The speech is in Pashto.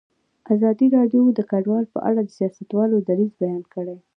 ازادي راډیو د کډوال په اړه د سیاستوالو دریځ بیان کړی.